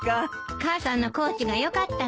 母さんのコーチが良かったのよ。